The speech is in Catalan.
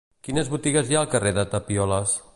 Quines botigues hi ha al carrer de Tapioles?